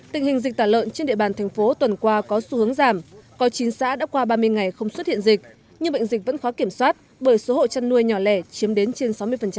tình hình dịch tả lợn trên địa bàn thành phố tuần qua có xu hướng giảm có chín xã đã qua ba mươi ngày không xuất hiện dịch nhưng bệnh dịch vẫn khó kiểm soát bởi số hộ chăn nuôi nhỏ lẻ chiếm đến trên sáu mươi